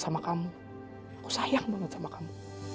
dan kamu udah mau dansa sama aku